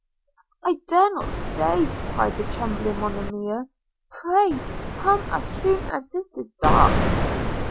'I dare not stay,' cried the trembling Monimia – 'Pray, come as soon as it is dark!'